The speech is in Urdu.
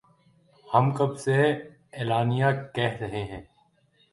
ہم کب سے اعلانیہ کہہ رہے ہیں